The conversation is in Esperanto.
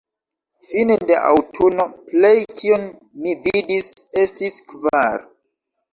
Fine de aŭtuno plej kion mi vidis estis kvar.